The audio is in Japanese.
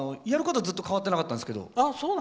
やることは、ずっと変わってなかったんですけど。